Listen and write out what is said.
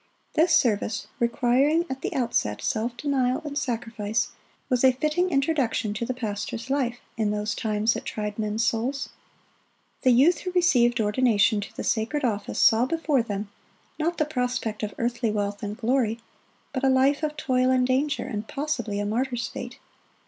This service, requiring at the outset self denial and sacrifice, was a fitting introduction to the pastor's life in those times that tried men's souls. The youth who received ordination to the sacred office saw before them, not the prospect of earthly wealth and glory, but a life of toil and danger, and possibly a martyr's fate.